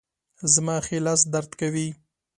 زما ښي لاس درد کوي